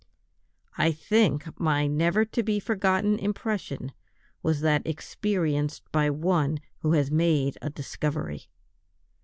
I think my never to be forgotten impression was that experienced by one who has made a discovery.